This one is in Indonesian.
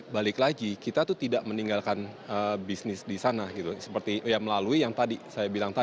balik lagi kita tuh tidak meninggalkan bisnis di sana gitu seperti yang melalui yang tadi saya bilang